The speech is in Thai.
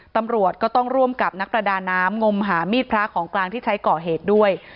ตำรวจก็ต้องร่วมกับนักประดาน้ำงมหามีดพระของกลางที่ใช้ก่อเหตุด้วย